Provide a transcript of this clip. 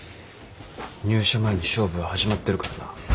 入社前に勝負は始まってるからな。